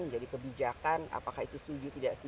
menjadi kebijakan apakah itu setuju atau tidak